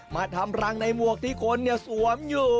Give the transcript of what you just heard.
มาทำรังในหมวกที่คนสวมอยู่